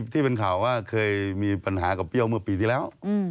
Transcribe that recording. ที่เป็นข่าวว่าเคยมีปัญหากับเปรี้ยวเมื่อปีที่แล้ว